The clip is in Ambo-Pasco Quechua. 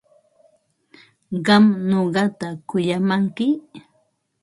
¿Qam nuqata kuyamanki?